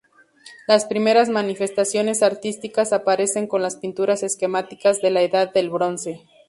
Las primeras manifestaciones artísticas aparecen con las pinturas esquemáticas de la Edad del Bronce.